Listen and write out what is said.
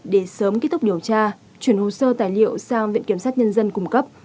để sớm kết thúc điều tra chuyển hồ sơ tài liệu sang viện kiểm sát nhân dân cung cấp